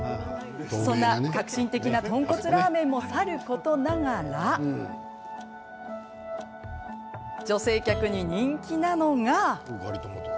そんな革新的な豚骨ラーメンもさることながら女性客に人気なのが。